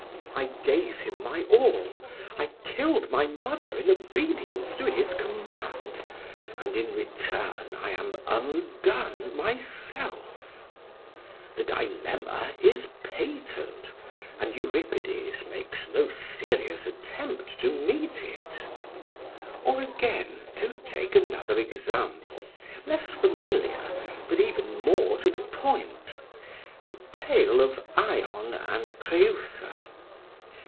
I gave him my all, I killed my mother in obedience to his command; and in return I am undone myself." [Footnote: Euripides, Iph. Taur. 711] The dilemma is patent; and Euripides makes no serious attempt to meet it. Or again, to take another example, less familiar, but even more to the point the tale of Ion and Creusa.